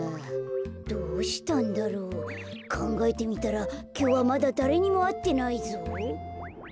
どうしたんだろう？かんがえてみたらきょうはまだだれにもあってないぞ。